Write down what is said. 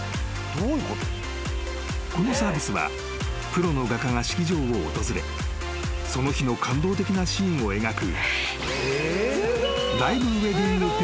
［このサービスはプロの画家が式場を訪れその日の感動的なシーンを描く］